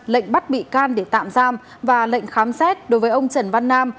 lệnh bắt bị can để tạm giam và lệnh khám xét đối với ông trần văn nam